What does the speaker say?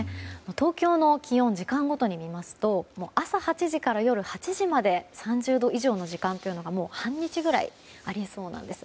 東京の気温を時間ごとに見ますと朝８時から夜８時まで３０度以上の時間というのが半日ぐらいありそうなんです。